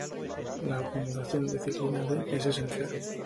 La acumulación de ciclina D es esencial.